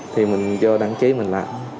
thì mình vô đăng ký mình làm